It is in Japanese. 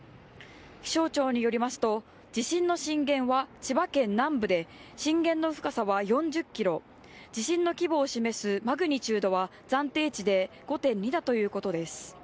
気象庁によりますと地震の震源は千葉県南部で震源の深さは４０ｋｍ、地震の規模を示すマグニチュードは暫定値で５．２だということです。